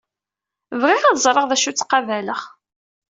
Bɣiɣ ad ẓreɣ d acu ttqabaleɣ.